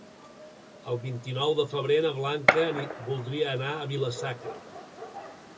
El vint-i-nou de febrer na Blanca voldria anar a Vila-sacra.